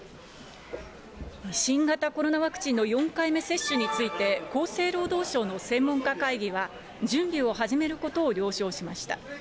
新型コロナワクチンの４回目接種について、厚生労働省の専門家会議は、準備を始めることを了承しました。